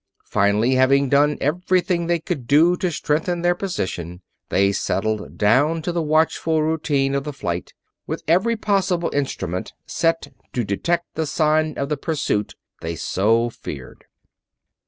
Finally, having done everything they could do to strengthen their position, they settled down to the watchful routine of the flight, with every possible instrument set to detect any sign of the pursuit they so feared.